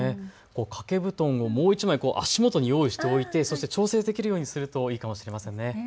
掛け布団をもう１枚、足元に用意しておいてそして調節できるようにするといいかもしれませんね。